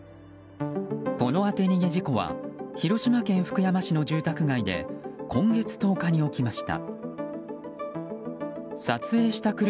この当て逃げ事故は広島県福山市の住宅街で今月１０日に起きました。